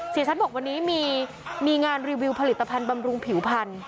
เสียชัดบอกวันนี้มีงานรีวิวผลิตภัณฑ์บำรุงผิวพันธุ